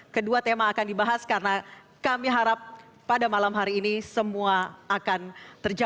kedua tema akan dibahas karena kami harap pada malam hari ini semua akan tercapai